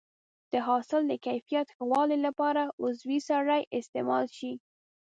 د حاصل د کیفیت ښه والي لپاره عضوي سرې استعمال شي.